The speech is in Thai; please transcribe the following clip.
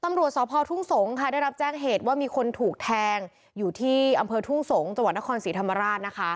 ตำรวจสพทุ่งสงศ์ค่ะได้รับแจ้งเหตุว่ามีคนถูกแทงอยู่ที่อำเภอทุ่งสงศ์จังหวัดนครศรีธรรมราชนะคะ